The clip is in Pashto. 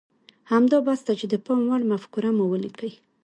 همدا بس ده چې د پام وړ مفکوره مو وليکئ.